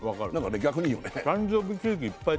逆にいいよね